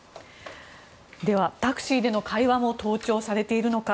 では、タクシーでの会話も盗聴されているのか。